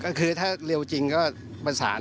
ก็คือถ้าเร็วจริงก็ประสาน